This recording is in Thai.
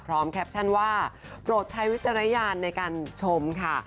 แคปชั่นว่าโปรดใช้วิจารณญาณในการชมค่ะ